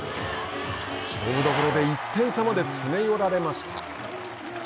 勝負どころで１点差まで詰め寄られました。